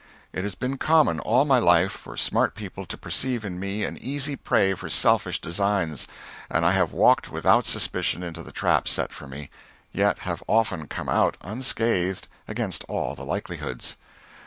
It has been common, all my life, for smart people to perceive in me an easy prey for selfish designs, and I have walked without suspicion into the trap set for me, yet have often come out unscathed, against all the likelihoods.